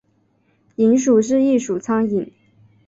蝇属是一属苍蝇。